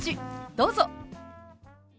どうぞ。